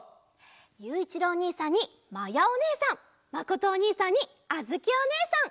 ゆういちろうおにいさんにまやおねえさんまことおにいさんにあづきおねえさん！